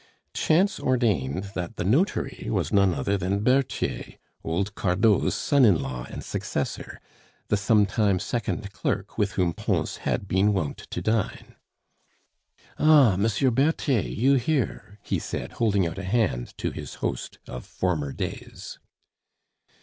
Chance ordained that the notary was none other than Berthier, old Cardot's son in law and successor, the sometime second clerk with whom Pons had been wont to dine. "Ah! M. Berthier, you here!" he said, holding out a hand to his host of former days.